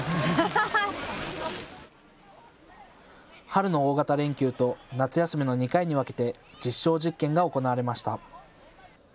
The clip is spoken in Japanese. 春の大型連休と夏休みの２回に分けて実証実験が行われました。